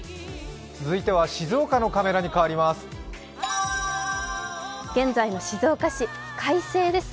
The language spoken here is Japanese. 続いては静岡のカメラに変わります。